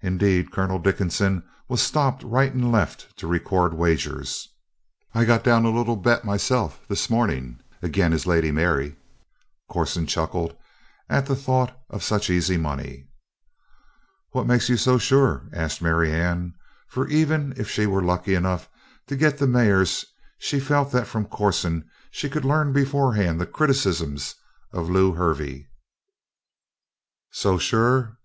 Indeed, Colonel Dickinson was stopped right and left to record wagers. "I got down a little bet myself, this morning, agin his Lady Mary." Corson chuckled at the thought of such easy money. "What makes you so sure?" asked Marianne, for even if she were lucky enough to get the mares she felt that from Corson she could learn beforehand the criticisms of Lew Hervey. "So sure?